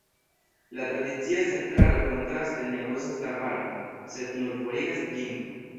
La tradicia centralo kontraste ne uzas la varmon, sed nur forigas ĝin.